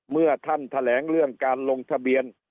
เมื่อท่านแถลงเรื่องการลงทะเบียน